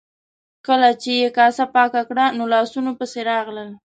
کله چې یې کاسه پاکه کړه نو لاسونو پسې راغلل.